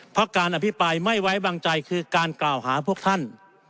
เพราะการอภิปรายไม่ไว้วางใจคือการกล่าวหาพวกท่าน